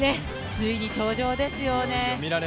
ついに登場ですよね